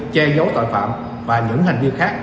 che giấu tội phạm và những hành vi khác